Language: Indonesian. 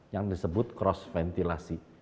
yang disebut cross ventilasi